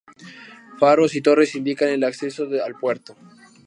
Faros y torres indican el acceso al puerto.